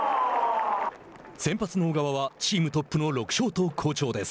先発の小川はチームトップの６勝と好調です。